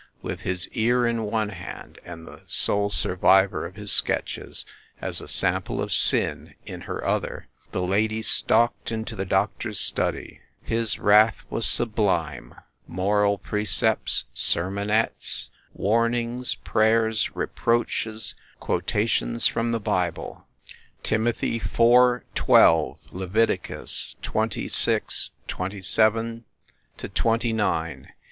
With his ear in one hand, and the sole survivor of his sketches (as a sample of sin) in her other, the lady stalked into the doctor s study. His wrath was sublime moral precepts, sermonettes, warnings, prayers, reproaches, quotations from the Bible, Tim io FIND THE WOMAN othy iv, 12; Leviticus xxvi, 27 29.